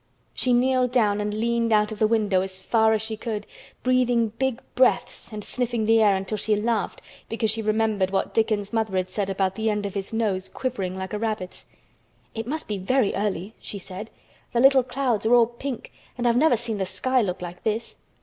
She kneeled down and leaned out of the window as far as she could, breathing big breaths and sniffing the air until she laughed because she remembered what Dickon's mother had said about the end of his nose quivering like a rabbit's. "It must be very early," she said. "The little clouds are all pink and I've never seen the sky look like this.